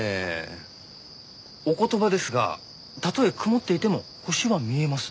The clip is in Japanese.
お言葉ですがたとえ曇っていても星は見えます。